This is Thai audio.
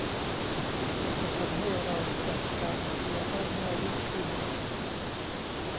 แล้วจะทำให้เราจัดการเคลียร์ได้ง่ายยิ่งขึ้น